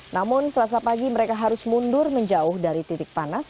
namun selasa pagi mereka harus mundur menjauh dari titik panas